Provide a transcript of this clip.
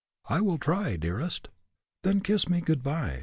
"I will try, dearest." "Then kiss me good by."